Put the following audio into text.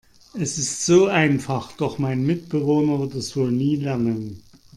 Es ist so einfach, doch mein Mitbewohner wird es wohl nie lernen.